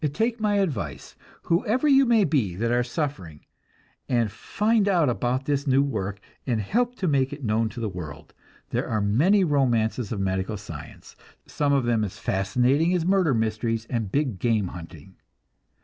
Take my advice, whoever you may be that are suffering, and find out about this new work and help to make it known to the world. There are many romances of medical science, some of them fascinating as murder mysteries and big game hunting.